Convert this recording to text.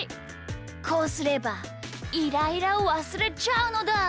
こうすればイライラをわすれちゃうのだ！